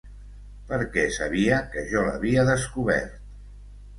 Perquè sabia que jo l'havia descobert.